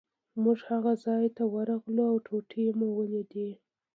موږ هغه ځای ته ورغلو او ټوټې مو ولیدې.